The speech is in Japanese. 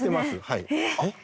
はい。